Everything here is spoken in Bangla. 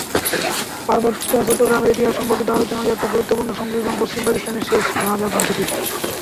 পার্বত্য চট্টগ্রামের ইতিহাস সম্পর্কিত আলোচনায় একটা গুরুত্বপূর্ণ সংযোজন পশ্চিম পাকিস্তানের শেষ রাজা গ্রন্থটি।